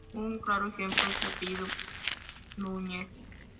Un claro ejemplo es el apellido Núñez.